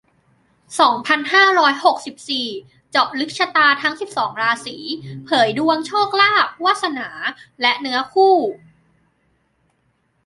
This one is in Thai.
สองพันห้าร้อยหกสิบสี่ เจาะลึกชะตาทั้ง สิบสอง ราศี เผยดวงโชคลาภ วาสนา และเนื้อคู่